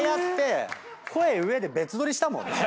声上で別どりしたもんね。